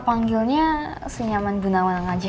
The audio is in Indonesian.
panggilnya senyaman bu nawang aja